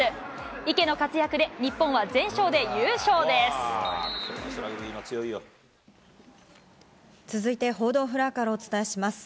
池の活躍で、続いて報道フロアからお伝えします。